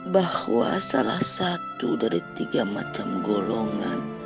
bahwa salah satu dari tiga macam golongan